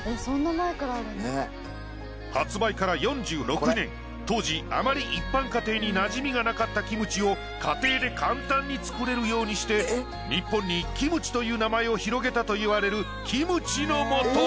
発売から４６年当時あまり一般家庭になじみがなかったキムチを家庭で簡単に作れるようにして日本にキムチという名前を広げたといわれるキムチの素。